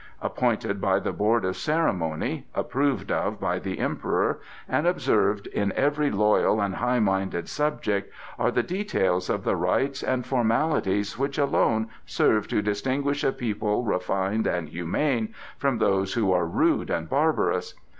Appointed by the Board of Ceremony, approved of by the Emperor, and observed in every loyal and high minded subject are the details of the rites and formalities which alone serve to distinguish a people refined and humane from those who are rude and barbarous.